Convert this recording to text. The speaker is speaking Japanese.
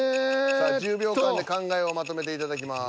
さあ１０秒間で考えをまとめていただきます。